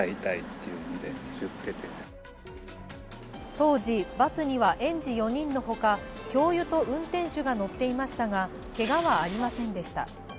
当時、バスには園児４人のほか教諭と運転手が乗っていましたが、けがはありませんでした。